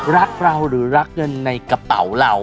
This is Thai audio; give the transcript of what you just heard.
รักเราหรือรักเงินในกระเป๋าเรา